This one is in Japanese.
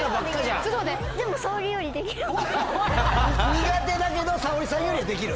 苦手だけど沙保里さんよりできる。